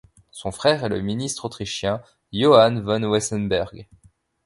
Son frère est le ministre autrichien Johann von Wessenberg.